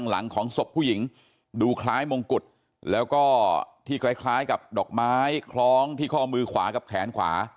หลังของศพผู้หญิงดูคล้ายมงกุฎแล้วก็ที่คล้ายกับดอกไม้คล้องที่ข้อมือขวากับแขนขวา